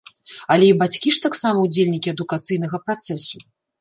Але і бацькі ж таксама ўдзельнікі адукацыйнага працэсу.